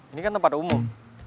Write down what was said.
ini kan tempat umum